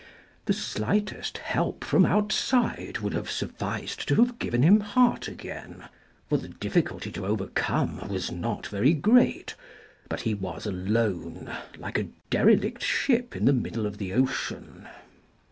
The slightest help from outside would have sufficed to have given him heart again, for the difficulty to overcome was not very great, but he was alone, like a derelict ship in the middle of the ocean.